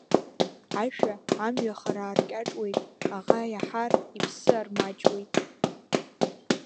Ашәа амҩа хара аркьаҿуеит, аӷа иаҳар иԥсы армаҷуеит.